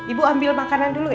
ibu ambil makanan dulu ya